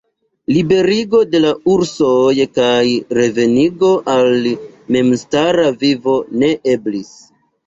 Liberigo de la ursoj kaj revenigo al memstara vivo ne eblis.